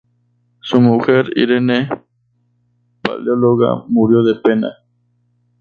Su mujer, Irene Paleóloga murió de pena.